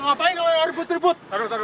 ngapain kalian ribut ribut